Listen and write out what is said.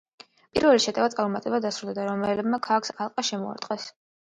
პირველი შეტევა წარუმატებლად დასრულდა და რომაელებმა ქალაქს ალყა შემოარტყეს.